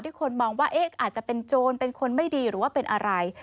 คนมองว่าอาจจะเป็นโจรเป็นคนไม่ดีหรือว่าเป็นอะไร